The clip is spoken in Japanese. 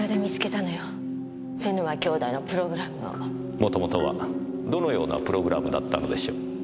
元々はどのようなプログラムだったのでしょう？